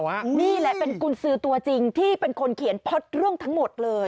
นี่แหละเป็นกุญสือตัวจริงที่เป็นคนเขียนเพราะเรื่องทั้งหมดเลย